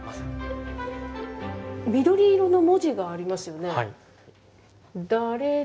緑色の文字がありますよね。